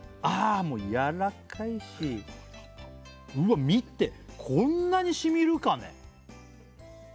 あもうやらかいしうわっ見てこんなに染みるかね？